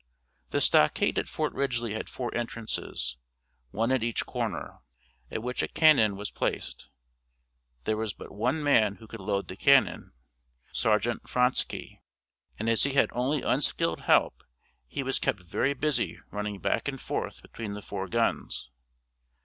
The stockade at Fort Ridgely had four entrances one at each corner, at which a cannon was placed. There was but one man who could load the cannon, Sargeant Frantzkey, and as he had only unskilled help he was kept very busy running back and forth between the four guns.